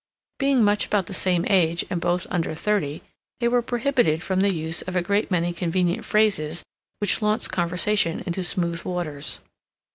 Being much about the same age and both under thirty, they were prohibited from the use of a great many convenient phrases which launch conversation into smooth waters.